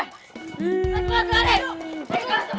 tuh kan ngaduk